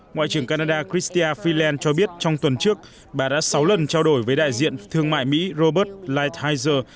ngoại trưởng canada christia freeland cho biết trong tuần trước bà đã sáu lần trao đổi với đại diện thương mại mỹ robert lighthizer